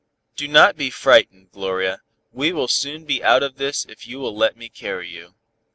"Do not be frightened, Gloria, we will soon be out of this if you will let me carry you."